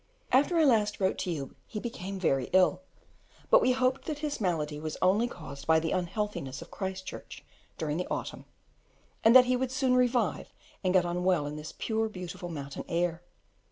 After I last wrote to you he became very ill, but we hoped that his malady was only caused by the unhealthiness of Christchurch during the autumn, and that he would soon revive and get on well in this pure, beautiful mountain air.